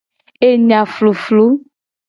Enya fluflu.